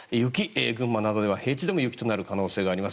群馬などでは、平地でも雪となる可能性があります。